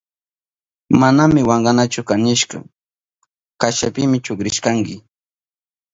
Manami wankanachu kanishka kashapimi chukrishkanki.